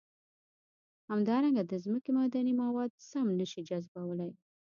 همدارنګه د ځمکې معدني مواد سم نه شي جذبولی.